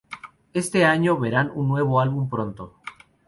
Este año verán un nuevo álbum pronto!!!"".